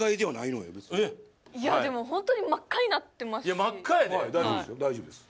いや真っ赤やで大丈夫です大丈夫です